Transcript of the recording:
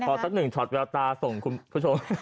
สักหนึ่งช็อตแววตาส่งคุณผู้ชม